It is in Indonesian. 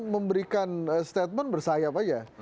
memberikan statement bersayap aja